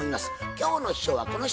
今日の秘書はこの人。